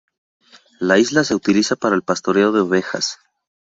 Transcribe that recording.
La isla se utiliza para el pastoreo de ovejas.